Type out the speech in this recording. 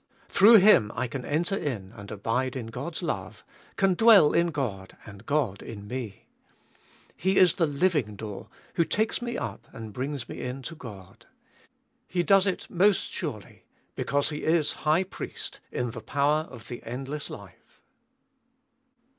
Through Him I can enter in and abide in God's love, can dwell in God and God in me. He is the living door, who takes me up, and brings me in to God. He does it most surely, because He is High Priest in the power of the endless life.